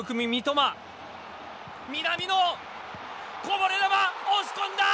こぼれ球、押し込んだ！